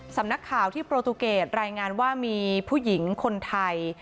สำนักข่าวที่โปรตูเกตรายงานว่ามีผู้หญิงคนไทย